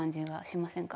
しません。